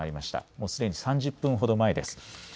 もうすでに３０分ほど前です。